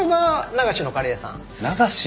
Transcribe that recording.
流しのカレー屋さん？